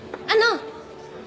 あの！